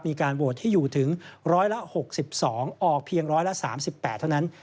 มีการโหวตที่อยู่ถึงร้อยละ๖๒ออกเพียงร้อยละ๓๘เท่านั้น